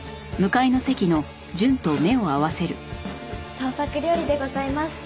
創作料理でございます。